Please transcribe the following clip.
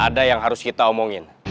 ada yang harus kita omongin